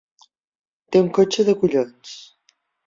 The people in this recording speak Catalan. Té un cotxe de collons.